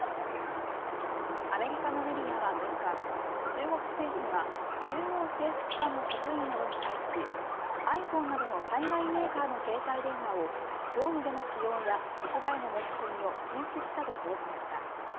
アメリカのメディアは６日中国政府が中央政府機関の職員などに対しｉＰｈｏｎｅなどの海外メーカーの携帯電話を業務での使用や職場への持ち込みを禁止したと報じました。